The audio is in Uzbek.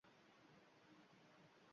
Chaqaloqning big’illashi ham tinay demasdi.